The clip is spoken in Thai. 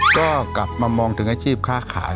ก็กลับมามองถึงอาชีพค้าขาย